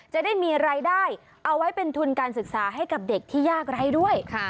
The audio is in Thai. จะได้มีรายได้เอาไว้เป็นทุนการศึกษาให้กับเด็กที่ยากไร้ด้วย